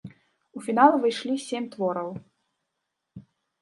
У фінал выйшлі сем твораў.